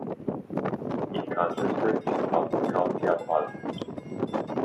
It consisted of the County of Albert.